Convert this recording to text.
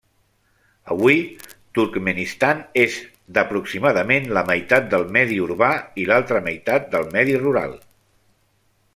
Avui, Turkmenistan és d'aproximadament la meitat del medi urbà i l'altra meitat del medi rural.